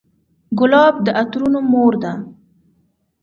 ګلاب د عطرونو مور ده.